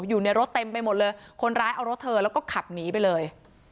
อยู่ในรถเต็มไปหมดเลยคนร้ายเอารถเธอแล้วก็ขับหนีไปเลย